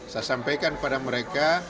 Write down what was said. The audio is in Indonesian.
saya sampaikan pada mereka